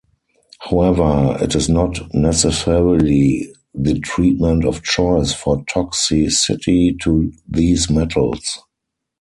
However, it is not necessarily the treatment of choice for toxicity to these metals.